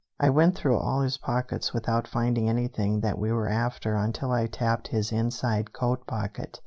I went through all his pockets without finding anything that we were after until I tapped his inside coat pocket.